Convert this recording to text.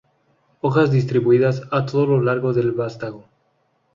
Hojas distribuidas a todo lo largo del vástago.